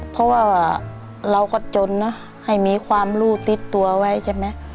เพราะว่าเราก็จนนะให้มีความรู้ติดตัวไว้ใช่ไหม